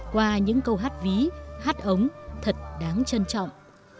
qua những câu hát ví hát ống thật đáng trân trọng